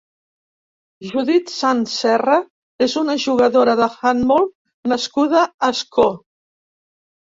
Judith Sans Serra és una jugadora d'handbol nascuda a Ascó.